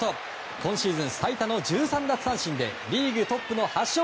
今シーズン最多の１３奪三振でリーグトップの８勝。